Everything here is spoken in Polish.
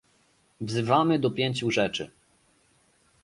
Wzywamy do pięciu rzeczy